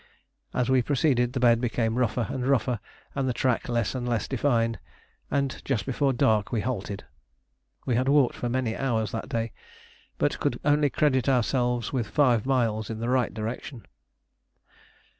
As we proceeded, the bed became rougher and rougher and the track less and less defined, and just before dark we halted. We had walked for many hours that day, but could only credit ourselves with five miles in the right direction.